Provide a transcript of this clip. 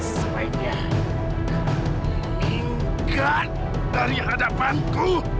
sebaiknya kau tinggal dari hadapanku